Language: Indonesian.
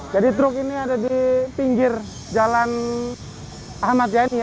jadi truk ini ada di pinggir jalan ahmad yani